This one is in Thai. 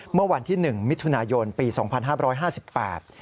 เมื่อวันที่๑มิถุนายนปี๒๕๕๘